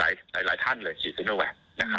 เราต้องเห็นหมอหลายท่านเลยว่าฉีดซีโนแว็ก